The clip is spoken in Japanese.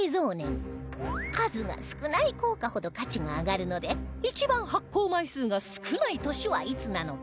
数が少ない硬貨ほど価値が上がるので一番発行枚数が少ない年はいつなのか？